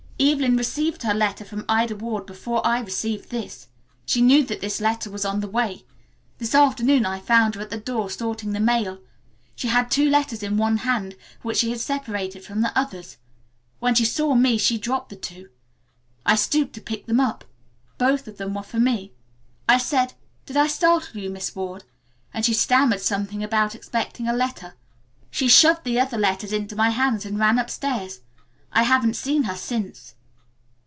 Evelyn received her letter from Ida Ward before I received this. She knew that this letter was on the way. This afternoon I found her at the door sorting the mail. She had two letters in one hand, which she had separated from the others. When she saw me she dropped the two. I stooped to pick them up. Both of them were for me. I said, 'Did I startle you, Miss Ward?' and she stammered something about expecting a letter. She shoved the other letters into my hands and ran upstairs. I haven't seen her since."